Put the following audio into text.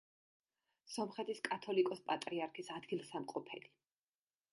სომხეთის კათოლიკოს-პატრიარქის ადგილსამყოფელი.